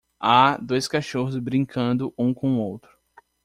Há dois cachorros brincando um com o outro.